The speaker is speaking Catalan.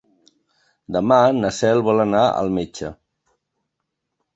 Demà na Cel vol anar al metge.